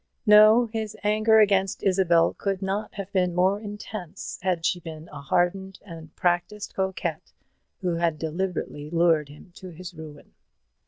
No; his anger against Isabel could not have been more intense had she been a hardened and practised coquette who had deliberately lured him to his ruin.